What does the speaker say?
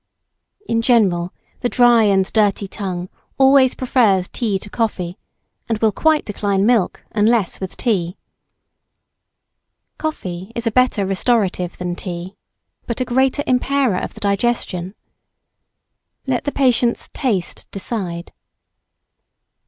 In general, the dry and dirty tongue always prefers tea to coffee, and will quite decline milk, unless with tea. Coffee is a better restorative than tea, but a greater impairer of the digestion. Let the patient's taste decide.